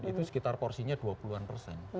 itu sekitar porsinya dua puluh an persen